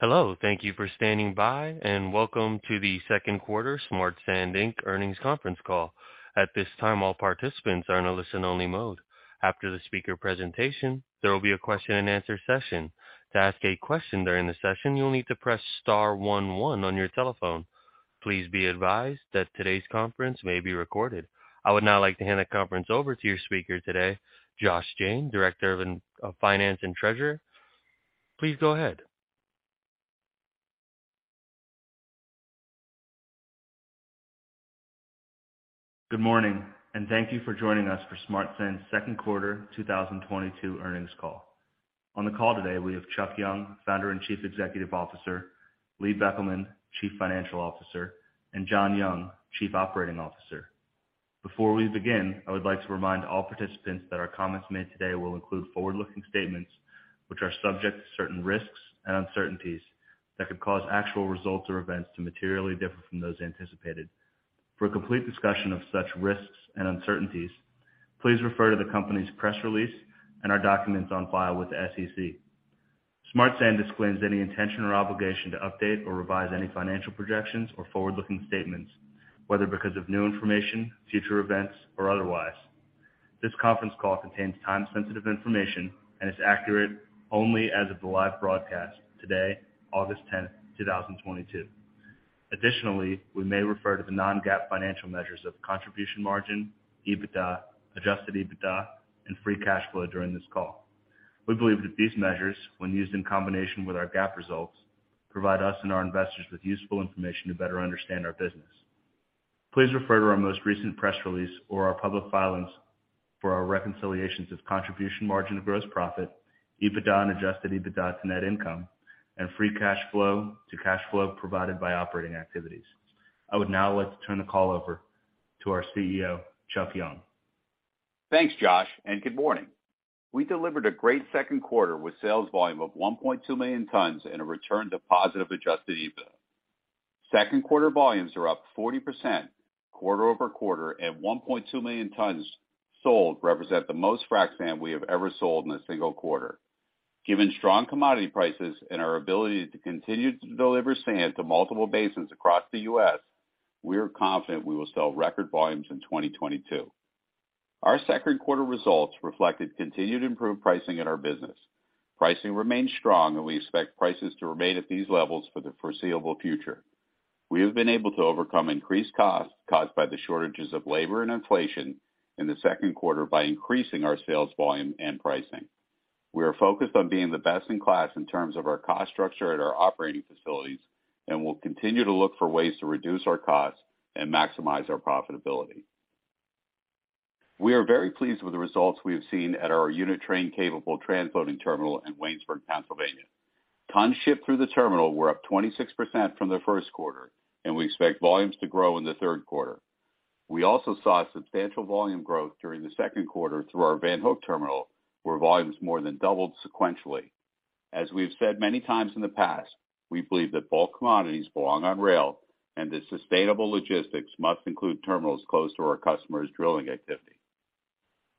Hello, thank you for standing by, and welcome to the second quarter Smart Sand, Inc. earnings conference call. At this time, all participants are in a listen-only mode. After the speaker presentation, there will be a question-and-answer session. To ask a question during the session, you'll need to press star one one on your telephone. Please be advised that today's conference may be recorded. I would now like to hand the conference over to your speaker today, Josh Jayne, Director of Finance and Treasurer. Please go ahead. Good morning, and thank you for joining us for Smart Sand's second quarter 2022 earnings call. On the call today, we have Charles E. Young, Founder and Chief Executive Officer, Lee Beckelman, Chief Financial Officer, and William John Young, Chief Operating Officer. Before we begin, I would like to remind all participants that our comments made today will include forward-looking statements which are subject to certain risks and uncertainties that could cause actual results or events to materially differ from those anticipated. For a complete discussion of such risks and uncertainties, please refer to the company's press release and our documents on file with the SEC. Smart Sand disclaims any intention or obligation to update or revise any financial projections or forward-looking statements, whether because of new information, future events, or otherwise. This conference call contains time-sensitive information and is accurate only as of the live broadcast today, August tenth, two thousand twenty-two. Additionally, we may refer to the non-GAAP financial measures of contribution margin, EBITDA, adjusted EBITDA, and free cash flow during this call. We believe that these measures, when used in combination with our GAAP results, provide us and our investors with useful information to better understand our business. Please refer to our most recent press release or our public filings for our reconciliations of contribution margin to gross profit, EBITDA and adjusted EBITDA to net income, and free cash flow to cash flow provided by operating activities. I would now like to turn the call over to our CEO, Chuck Young. Thanks, Josh, and good morning. We delivered a great second quarter with sales volume of 1.2 million tons and a return to positive adjusted EBITDA. Second quarter volumes are up 40% quarter-over-quarter at 1.2 million tons sold represent the most frac sand we have ever sold in a single quarter. Given strong commodity prices and our ability to continue to deliver sand to multiple basins across the U.S., we are confident we will sell record volumes in 2022. Our second quarter results reflected continued improved pricing at our business. Pricing remains strong, and we expect prices to remain at these levels for the foreseeable future. We have been able to overcome increased costs caused by the shortages of labor and inflation in the second quarter by increasing our sales volume and pricing. We are focused on being the best-in-class in terms of our cost structure at our operating facilities, and we'll continue to look for ways to reduce our costs and maximize our profitability. We are very pleased with the results we have seen at our unit train capable transloading terminal in Waynesburg, Pennsylvania. Tons shipped through the terminal were up 26% from the first quarter, and we expect volumes to grow in the third quarter. We also saw substantial volume growth during the second quarter through our Van Hook terminal, where volumes more than doubled sequentially. As we have said many times in the past, we believe that bulk commodities belong on rail, and that sustainable logistics must include terminals close to our customers' drilling activity.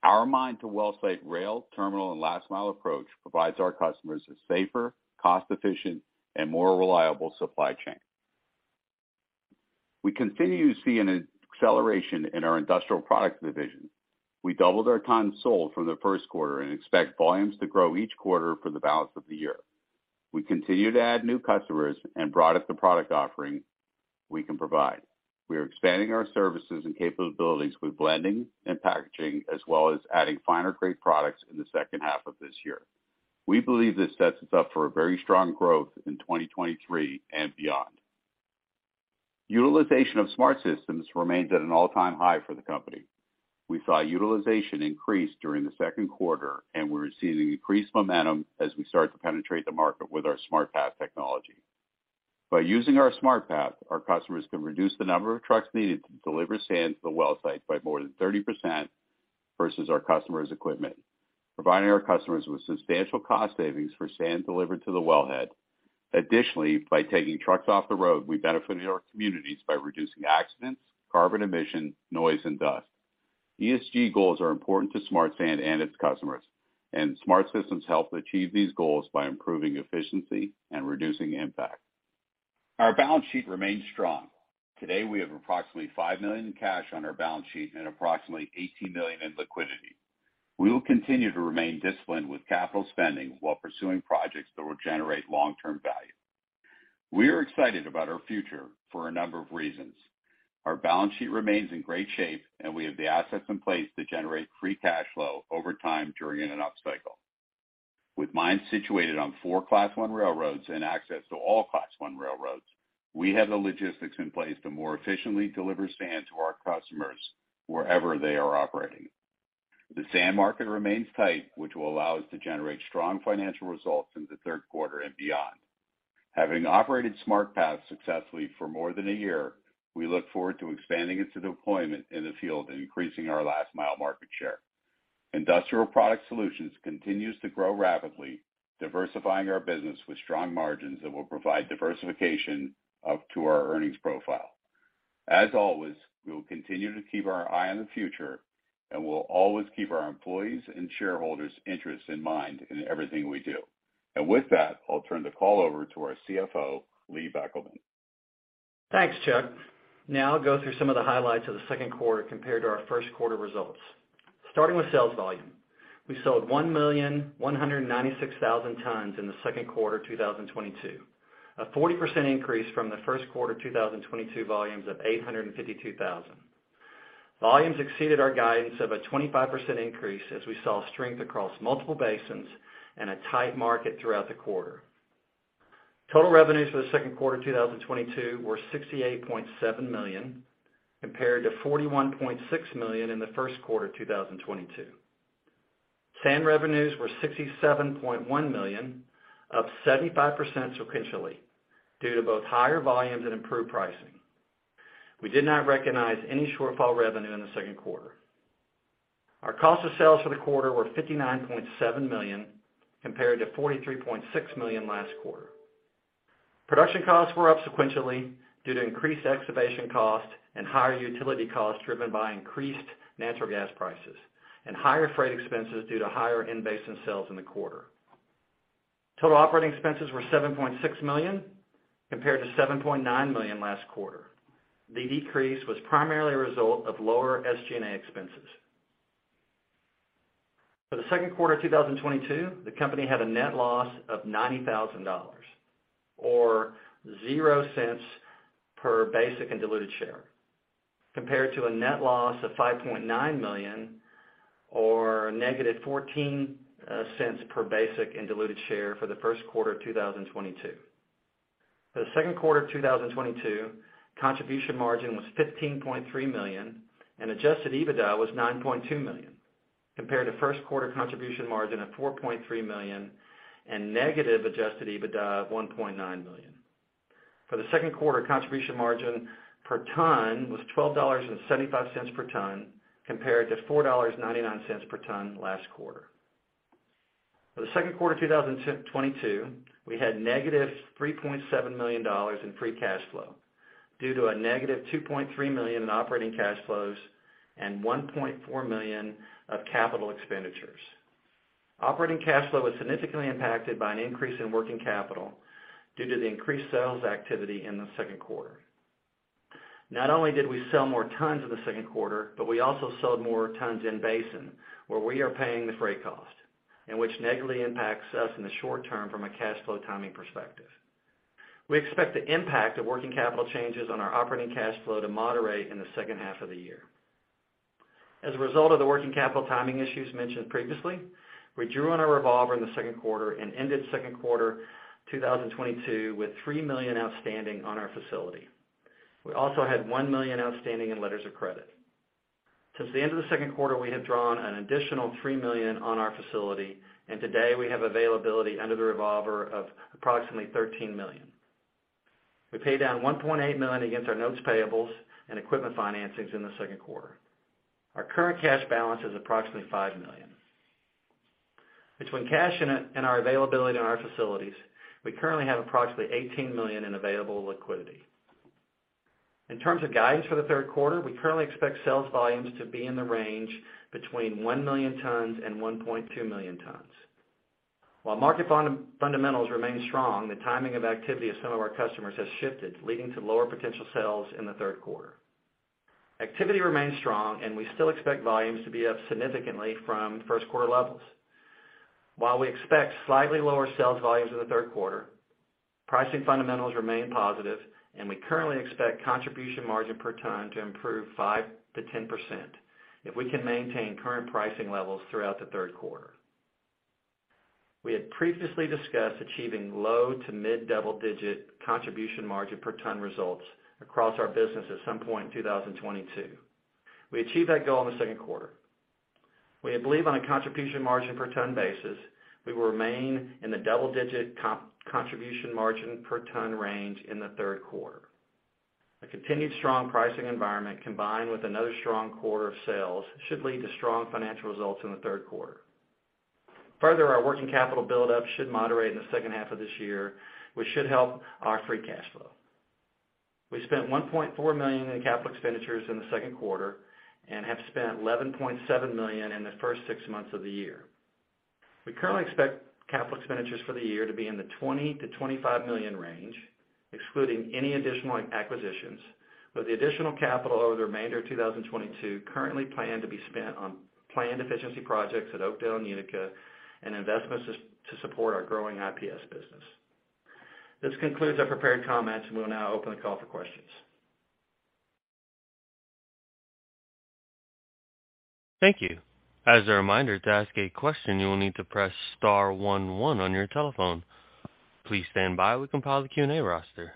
Our mine-to-wellsite rail, terminal, and last-mile approach provides our customers a safer, cost-efficient, and more reliable supply chain. We continue to see an acceleration in our industrial products division. We doubled our tons sold from the first quarter and expect volumes to grow each quarter for the balance of the year. We continue to add new customers and broaden the product offering we can provide. We are expanding our services and capabilities with blending and packaging, as well as adding finer grain products in the second half of this year. We believe this sets us up for a very strong growth in 2023 and beyond. Utilization of SmartSystems remains at an all-time high for the company. We saw utilization increase during the second quarter, and we're seeing increased momentum as we start to penetrate the market with our SmartPath technology. By using our SmartPath, our customers can reduce the number of trucks needed to deliver sand to the wellsite by more than 30% versus our customers' equipment, providing our customers with substantial cost savings for sand delivered to the wellhead. Additionally, by taking trucks off the road, we benefit our communities by reducing accidents, carbon emission, noise, and dust. ESG goals are important to Smart Sand and its customers, and SmartSystems help achieve these goals by improving efficiency and reducing impact. Our balance sheet remains strong. Today, we have approximately $5 million in cash on our balance sheet and approximately $18 million in liquidity. We will continue to remain disciplined with capital spending while pursuing projects that will generate long-term value. We are excited about our future for a number of reasons. Our balance sheet remains in great shape, and we have the assets in place to generate free cash flow over time during an upcycle. With mines situated on four Class I railroads and access to all Class I railroads, we have the logistics in place to more efficiently deliver sand to our customers wherever they are operating. The sand market remains tight, which will allow us to generate strong financial results in the third quarter and beyond. Having operated SmartPath successfully for more than a year, we look forward to expanding its deployment in the field and increasing our last mile market share. Industrial Product Solutions continues to grow rapidly, diversifying our business with strong margins that will provide diversification up to our earnings profile. As always, we will continue to keep our eye on the future, and we'll always keep our employees' and shareholders' interests in mind in everything we do. With that, I'll turn the call over to our CFO, Lee Beckelman. Thanks, Chuck. Now I'll go through some of the highlights of the second quarter compared to our first quarter results. Starting with sales volume. We sold 1,196,000 tons in the second quarter 2022, a 40% increase from the first quarter 2022 volumes of 852,000. Volumes exceeded our guidance of a 25% increase as we saw strength across multiple basins and a tight market throughout the quarter. Total revenues for the second quarter 2022 were $68.7 million, compared to $41.6 million in the first quarter 2022. Sand revenues were $67.1 million, up 75% sequentially, due to both higher volumes and improved pricing. We did not recognize any shortfall revenue in the second quarter. Our cost of sales for the quarter were $59.7 million, compared to $43.6 million last quarter. Production costs were up sequentially due to increased excavation costs and higher utility costs driven by increased natural gas prices and higher freight expenses due to higher in-basin sales in the quarter. Total operating expenses were $7.6 million, compared to $7.9 million last quarter. The decrease was primarily a result of lower SG&A expenses. For the second quarter 2022, the company had a net loss of $90,000, or 0 cents per basic and diluted share, compared to a net loss of $5.9 million or -14 cents per basic and diluted share for the first quarter of 2022. For the second quarter of 2022, contribution margin was $15.3 million, and adjusted EBITDA was $9.2 million, compared to first quarter contribution margin of $4.3 million and negative adjusted EBITDA of $1.9 million. For the second quarter, contribution margin per ton was $12.75 per ton, compared to $4.99 per ton last quarter. For the second quarter 2022, we had -$3.7 million in free cash flow due to a -$2.3 million in operating cash flows and $1.4 million of capital expenditures. Operating cash flow was significantly impacted by an increase in working capital due to the increased sales activity in the second quarter. Not only did we sell more tons in the second quarter, but we also sold more tons in-basin, where we are paying the freight cost, and which negatively impacts us in the short term from a cash flow timing perspective. We expect the impact of working capital changes on our operating cash flow to moderate in the second half of the year. As a result of the working capital timing issues mentioned previously, we drew on our revolver in the second quarter and ended second quarter 2022 with $3 million outstanding on our facility. We also had $1 million outstanding in letters of credit. Since the end of the second quarter, we have drawn an additional $3 million on our facility, and today we have availability under the revolver of approximately $13 million. We paid down $1.8 million against our notes payables and equipment financings in the second quarter. Our current cash balance is approximately $5 million. Between cash and our availability in our facilities, we currently have approximately $18 million in available liquidity. In terms of guidance for the third quarter, we currently expect sales volumes to be in the range between 1,000,000 tons and 1,200,000 tons. While market fundamentals remain strong, the timing of activity of some of our customers has shifted, leading to lower potential sales in the third quarter. Activity remains strong, and we still expect volumes to be up significantly from first quarter levels. While we expect slightly lower sales volumes in the third quarter, pricing fundamentals remain positive, and we currently expect contribution margin per ton to improve 5%-10% if we can maintain current pricing levels throughout the third quarter. We had previously discussed achieving low to mid-double digit contribution margin per ton results across our business at some point in 2022. We achieved that goal in the second quarter. We believe on a contribution margin per ton basis, we will remain in the double-digit contribution margin per ton range in the third quarter. A continued strong pricing environment combined with another strong quarter of sales should lead to strong financial results in the third quarter. Further, our working capital buildup should moderate in the second half of this year, which should help our free cash flow. We spent $1.4 million in capital expenditures in the second quarter and have spent $11.7 million in the first six months of the year. We currently expect capital expenditures for the year to be in the $20-$25 million range, excluding any additional acquisitions, with the additional capital over the remainder of 2022 currently planned to be spent on planned efficiency projects at Oakdale and Unica and investments to support our growing IPS business. This concludes our prepared comments. We'll now open the call for questions. Thank you. As a reminder, to ask a question, you will need to press star one one on your telephone. Please stand by. We compile the Q&A roster.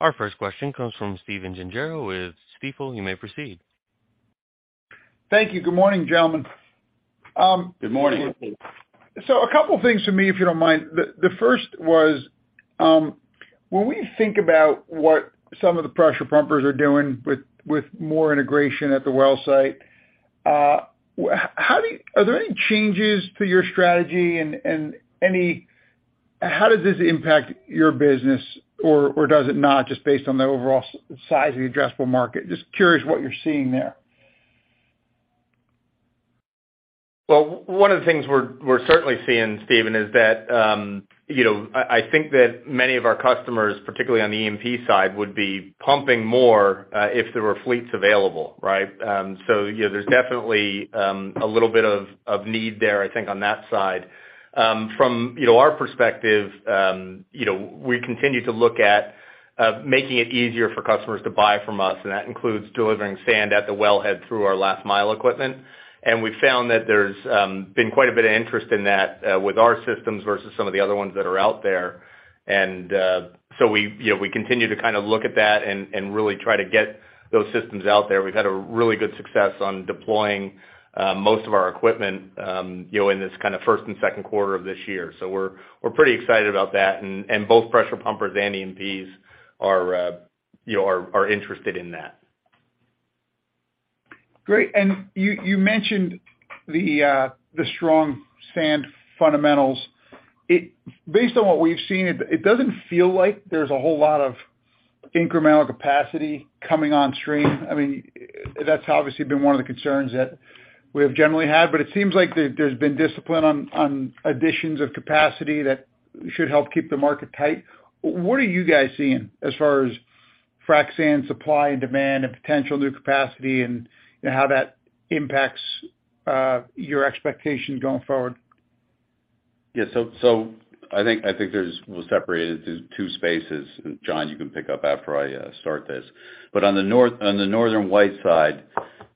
Our first question comes from Stephen Gengaro with Stifel. You may proceed. Thank you. Good morning, gentlemen. Good morning. Good morning. A couple of things for me, if you don't mind. The first was, when we think about what some of the pressure pumpers are doing with more integration at the well site, are there any changes to your strategy and any. How does this impact your business or does it not just based on the overall size of the addressable market? Just curious what you're seeing there. Well, one of the things we're certainly seeing, Stephen, is that, you know, I think that many of our customers, particularly on the E&P side, would be pumping more if there were fleets available, right? There's definitely a little bit of need there, I think on that side. From our perspective, you know, we continue to look at making it easier for customers to buy from us, and that includes delivering sand at the wellhead through our last mile equipment. We found that there's been quite a bit of interest in that with our systems versus some of the other ones that are out there. We you know continue to kind of look at that and really try to get those systems out there. We've had a really good success on deploying most of our equipment, you know, in this kind of first and second quarter of this year. We're pretty excited about that. Both pressure pumpers and E&Ps are interested in that. Great. You mentioned the strong sand fundamentals. Based on what we've seen, it doesn't feel like there's a whole lot of incremental capacity coming on stream. I mean, that's obviously been one of the concerns that we have generally had, but it seems like there's been discipline on additions of capacity that should help keep the market tight. What are you guys seeing as far as frac sand supply and demand and potential new capacity and how that impacts your expectations going forward? Yeah. I think there's. We'll separate it to two spaces. John, you can pick up after I start this. On the Northern White side,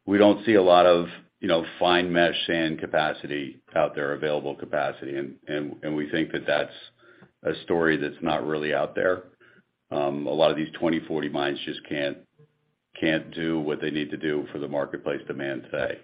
we don't see a lot of, you know, fine mesh sand capacity out there, available capacity. We think that that's a story that's not really out there. A lot of these 20/40 mines just can't do what they need to do for the marketplace demand today.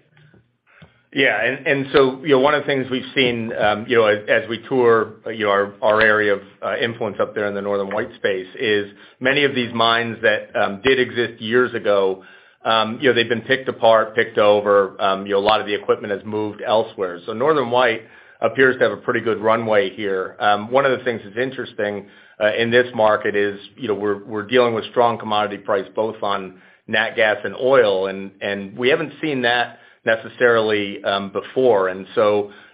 Yeah, one of the things we've seen, you know, as we tour our area of influence up there in the Northern White space is many of these mines that did exist years ago, you know, they've been picked apart, picked over. You know, a lot of the equipment has moved elsewhere. Northern White appears to have a pretty good runway here. One of the things that's interesting in this market is, you know, we're dealing with strong commodity prices, both on nat gas and oil, and we haven't seen that necessarily before.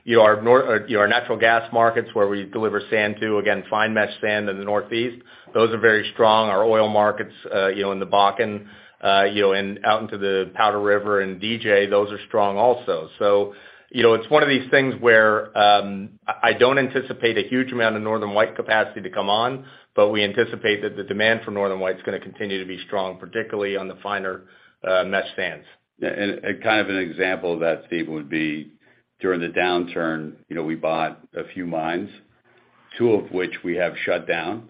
You know, our natural gas markets, where we deliver sand to, again, fine mesh sand in the Northeast, those are very strong. Our oil markets, you know, in the Bakken, you know, and out into the Powder River and DJ, those are strong also. You know, it's one of these things where, I don't anticipate a huge amount of Northern White capacity to come on, but we anticipate that the demand for Northern White is gonna continue to be strong, particularly on the finer mesh sands. Kind of an example of that, Stephen, would be during the downturn, you know, we bought a few mines, two of which we have shut down.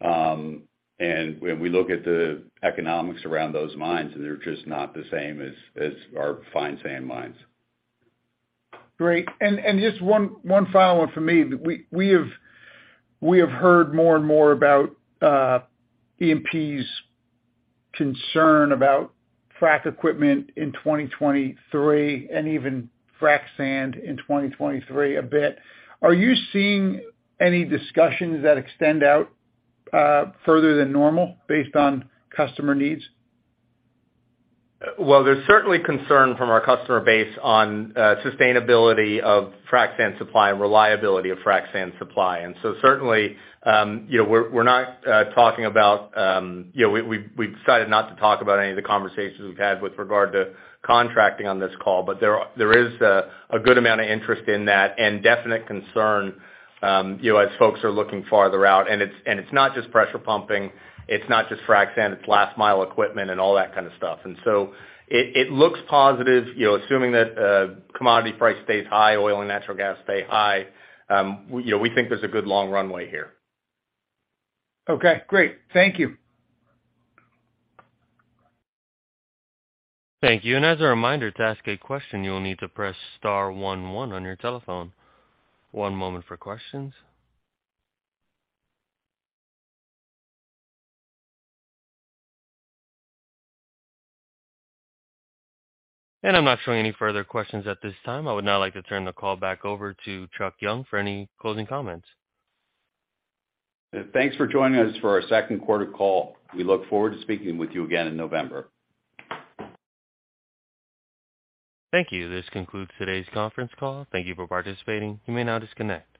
When we look at the economics around those mines, and they're just not the same as our fine sand mines. Great. Just one final one for me. We have heard more and more about E&P's concern about frac equipment in 2023 and even frac sand in 2023 a bit. Are you seeing any discussions that extend out further than normal based on customer needs? Well, there's certainly concern from our customer base on sustainability of frac sand supply and reliability of frac sand supply. Certainly, you know, we're not talking about. You know, we've decided not to talk about any of the conversations we've had with regard to contracting on this call, but there is a good amount of interest in that and definite concern, you know, as folks are looking farther out. It's not just pressure pumping, it's not just frac sand, it's last mile equipment and all that kind of stuff. It looks positive, you know, assuming that commodity price stays high, oil and natural gas stay high, you know, we think there's a good long runway here. Okay, great. Thank you. Thank you. As a reminder, to ask a question, you will need to press star one one on your telephone. One moment for questions. I'm not showing any further questions at this time. I would now like to turn the call back over to Chuck Young for any closing comments. Thanks for joining us for our second quarter call. We look forward to speaking with you again in November. Thank you. This concludes today's conference call. Thank you for participating. You may now disconnect.